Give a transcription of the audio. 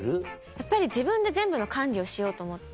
やっぱり自分で全部の管理をしようと思って。